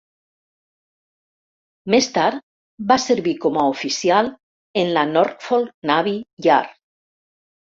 Més tard va servir com a oficial en la Norfolk Navy Yard.